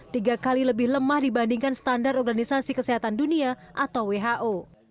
tiga kali lebih lemah dibandingkan standar organisasi kesehatan dunia atau who